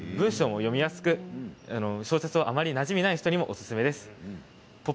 文章も読みやすく小説はあまりなじみのない人にもおすすめです。